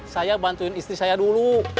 saya bantuin istri saya dulu